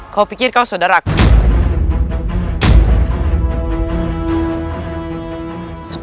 kau pikir kau saudara aduh